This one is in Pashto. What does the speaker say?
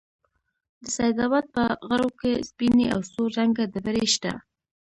د سيدآباد په غرو كې سپينې او سور رنگه ډبرې شته